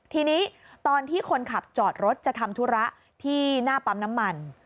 ทีนี้ตอนที่คนขับจอดรถจะทำธุระที่หน้าปั๊มน้ำมัน